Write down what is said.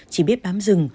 chỉ biết bám rừng